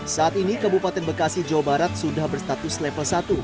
saat ini kabupaten bekasi jawa barat sudah berstatus level satu